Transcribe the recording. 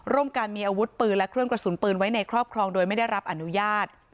ร่วมกันมีอาวุธปืนและเครื่องกระสุนปืนไว้ในครอบครองโดยไม่ได้รับอนุญาต